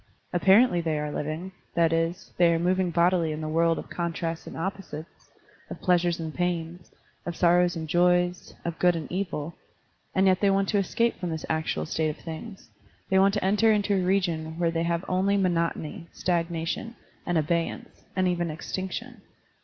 Apparently they are living, that is, they are moving bodily in the world of contrasts and opposites, of pleas ures and pains, of sorrows and joys, of good and evil; and yet they want to escape from this actual state of things, they want to enter into a region where they have only monotony, stag nation, and abeyance, and even extinction.